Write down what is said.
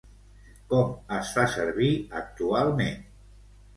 Com es fa servir actualment?